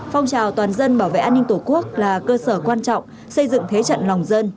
phong trào toàn dân bảo vệ an ninh tổ quốc là cơ sở quan trọng xây dựng thế trận lòng dân